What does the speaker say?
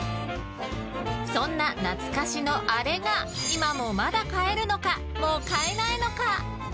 そんな懐かしのあれが今もまだ買えるのかもう買えないのか。